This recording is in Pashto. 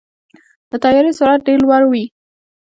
د طیارې سرعت ډېر لوړ وي.